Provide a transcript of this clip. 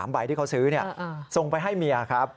ใบที่เขาซื้อส่งไปให้เมียครับ